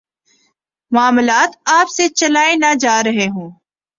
معاملات آپ سے چلائے نہ جا رہے ہوں۔